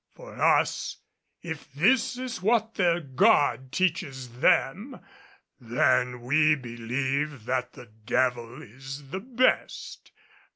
For us, if this is what their God teaches them, then we believe that the Devil is the best.